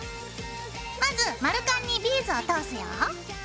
まず丸カンにビーズを通すよ。